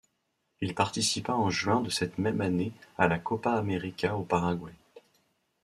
Il participa en juin de cette même année à la Copa América au Paraguay.